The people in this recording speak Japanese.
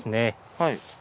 はい。